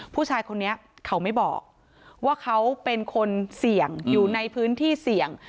ผู้ชายคนนี้เขาไม่บอกว่าเขาเป็นคนเสี่ยงอยู่ในพื้นที่เสี่ยง